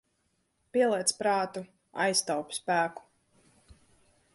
Pieliec prātu, aiztaupi spēku.